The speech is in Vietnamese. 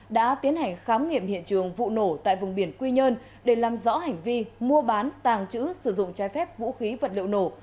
đã tiến hành khám nghiệm hiện trường vụ nổ tại vùng biển quy nhơn để làm rõ hành vi mua bán tàng trữ sử dụng trái phép vũ khí vật liệu nổ